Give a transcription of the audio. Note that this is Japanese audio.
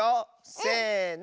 せの！